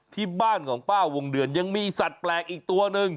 ที่บ้านของป้าวงเดือนยังมีสัตว์แปลกอีกตัวหนึ่ง